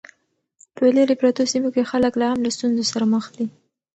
په لیرې پرتو سیمو کې خلک لا هم له ستونزو سره مخ دي.